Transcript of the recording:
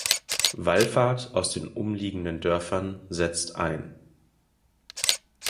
Wallfahrt aus den umliegenden Dörfern setzt ein.